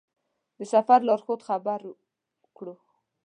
د سفر لارښود خبر کړو.